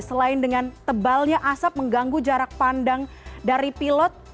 selain dengan tebalnya asap mengganggu jarak pandang dari pilot